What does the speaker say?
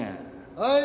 はい！